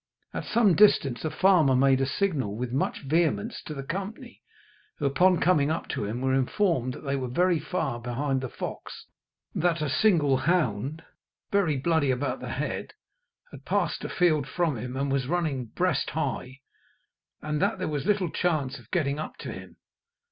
At some distance a farmer made a signal with much vehemence to the company, who, upon coming up to him, were informed that they were very far behind the fox, for that a single hound, very bloody about the head, had passed a field from him, and was running breast high, and that there was little chance of getting up to him.